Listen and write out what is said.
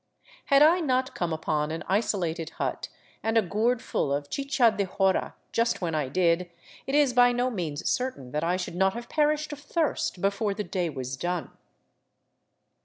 Had I not come upon an isolated hut and a gourdful of chicha de jora just when I did, it is by no means certain that I should not have perished of thirst before the day was done.